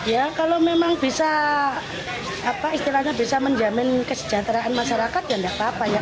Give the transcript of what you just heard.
ya kalau memang bisa apa istilahnya bisa menjamin kesejahteraan masyarakat ya tidak apa apa ya